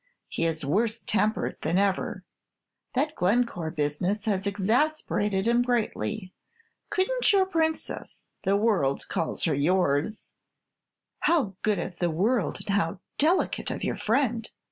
He is worse tempered than ever. That Glencore business has exasperated him greatly. Could n't your Princess, the world calls her yours ["How good of the world, and how delicate of your friend!"